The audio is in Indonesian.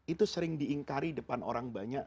itu sering diingkari depan orang banyak